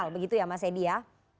begitu ya mas edi ya